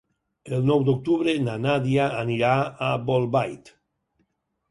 El nou d'octubre na Nàdia anirà a Bolbait.